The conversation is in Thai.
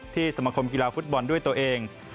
สมคมกีฬาฟุตบอลด้วยตัวเอง